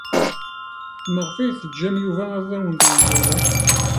Maɣef ay tettaǧǧam Yuba ad awen-yeg aya?